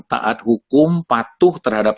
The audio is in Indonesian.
taat hukum patuh terhadap